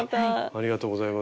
ありがとうございます。